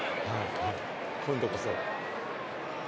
今度こそ！